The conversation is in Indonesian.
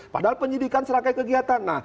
padahal penyidikan serangkai kegiatan